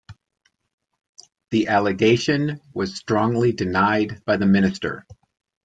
The allegation was strongly denied by the minister.